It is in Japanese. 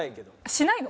しないの？